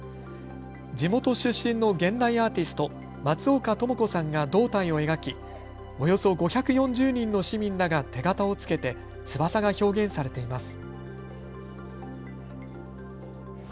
地元出身の現代アーティスト、松岡智子さんが胴体を描きおよそ５４０人の市民らが手形をつけて翼が表現されています。